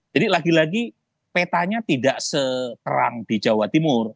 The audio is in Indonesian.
jadi lagi lagi petanya tidak seterang di jawa timur